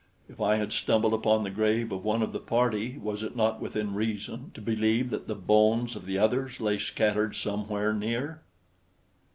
If I had stumbled upon the grave of one of the party, was it not within reason to believe that the bones of the others lay scattered somewhere near?